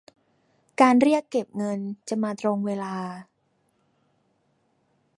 การเรียกเก็บเงินจะมาตรงเวลา